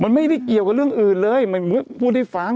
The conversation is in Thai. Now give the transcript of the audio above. มันไม่ได้เกี่ยวกับเรื่องอื่นเลยมันพูดให้ฟัง